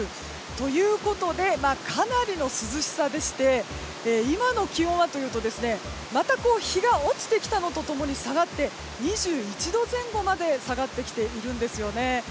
ということでかなりの涼しさでして今の気温はというとまた日が落ちてきたのと共にｓ２１度前後まで下がってきています。